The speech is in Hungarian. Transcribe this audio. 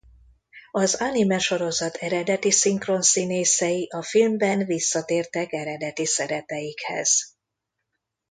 Az animesorozat eredeti szinkronszínészei a filmben visszatértek eredeti szerepeikhez.